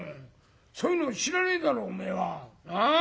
そういうの知らねえだろおめえは。なあ？